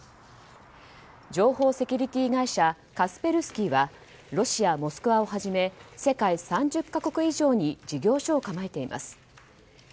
情報セキュリティー会社カスペルスキーはロシア・モスクワをはじめ世界３０か国以上に事業所を構えています。